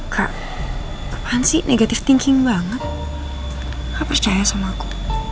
kak apaan sih negatif thinking banget apa percaya sama aku